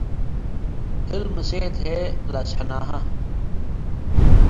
ክል- ምሴት ህዬ ለአሰሕናሀ ።